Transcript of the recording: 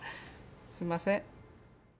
すんません。